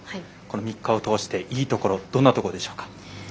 ３日間通して、いいところどんなところでしょうか。